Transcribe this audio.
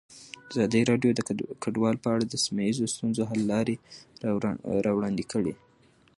ازادي راډیو د کډوال په اړه د سیمه ییزو ستونزو حل لارې راوړاندې کړې.